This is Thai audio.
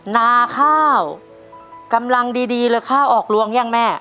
นาข้าวกำลังดีเลยข้าวออกลวงยังแม่